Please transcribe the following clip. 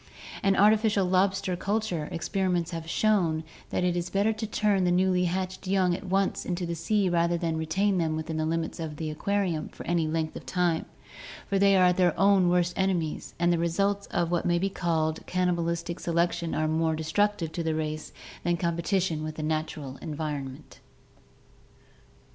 In artificial lobster culture, experiments have shown that it is better to turn the newly hatched young at once into the sea rather than retain them within the limits of the aquarium for any length of time, for they are their own worst enemies and the results of what may be called cannibalistic selection are more destructive to the race than competition with the natural environment.